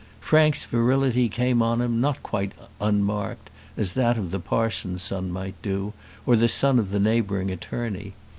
Frank's virility came on him not quite unmarked, as that of the parson's son might do, or the son of the neighbouring attorney.